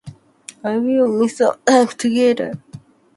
I will miss our time together.